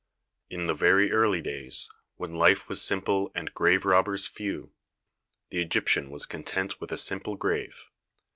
In the very early days, when life was simple and grave robbers few, the Egyptian was content with a simple grave.